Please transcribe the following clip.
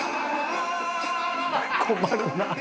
困るな？